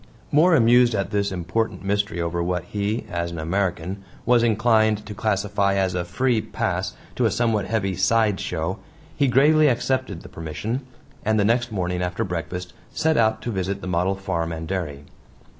More amused at this important mystery over what he, as an American, was inclined to classify as a "free pass" to a somewhat heavy "side show," he gravely accepted the permission, and the next morning after breakfast set out to visit the model farm and dairy.